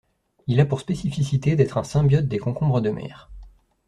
Il a pour spécificité d'être un symbiote des concombres de mer.